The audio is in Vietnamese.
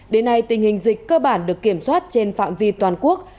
đến nay tình hình dịch cơ bản được kiểm soát trên phạm vi toàn quốc